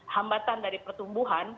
hambatan dari pertumbuhan